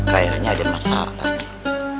kayaknya ada masalah